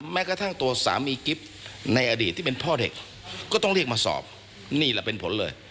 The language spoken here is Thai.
แม้กระทั่งตัวสามีกิฟต์ในอดีตที่เป็นพ่อเด็กก็ต้องเรียกมาสอบนี่แหละเป็นผลเลย